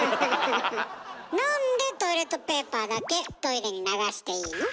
なんでトイレットペーパーだけトイレに流していいの？